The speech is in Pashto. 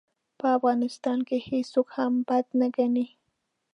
په افغانستان کې هېڅوک هم بد نه ګڼي.